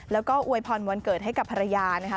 แล้วก็อวยพรวันเกิดให้กับภรรยานะคะ